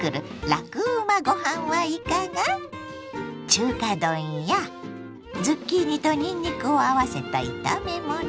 中華丼やズッキーニとにんにくを合わせた炒めもの。